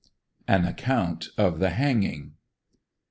AN ACCOUNT OF THE HANGING.